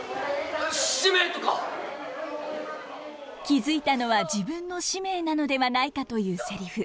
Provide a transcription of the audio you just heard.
気付いたのは自分の使命なのではないかというセリフ。